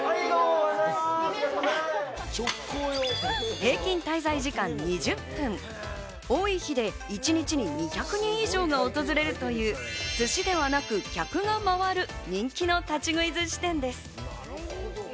平均滞在時間２０分、多い日で一日に２００人以上が訪れるという寿司ではなく、客が回る人気の立ち食い寿司店です。